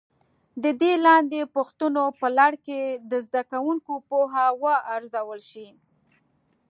د دې لاندې پوښتنو په لړ کې د زده کوونکو پوهه وارزول شي.